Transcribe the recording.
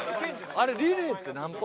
あれリレーってなんぼ？